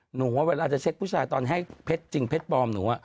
หนูว่าเวลาจะเช็คผู้ชายตอนให้เพชรจริงเพชรปลอมหนู